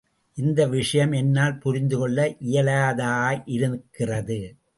இந்த விஷயம் என்னால் புரிந்துகொள்ள இயலாததாயிருக்கிறது.